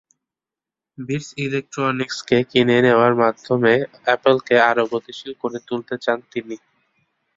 Bits ইলেকট্রনিকসকে কিনে নেওয়ার মাধ্যমে অ্যাপলকে আরও গতিশীল করে তুলতে চান তিনি।